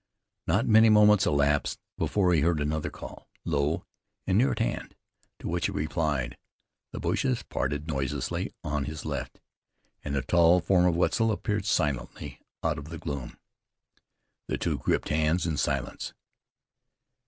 Not many moments elapsed before he heard another call, low, and near at hand, to which he replied. The bushes parted noiselessly on his left, and the tall form of Wetzel appeared silently out of the gloom. The two gripped hands in silence.